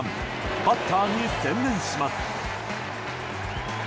バッターに専念します。